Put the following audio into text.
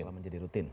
kalau menjadi rutin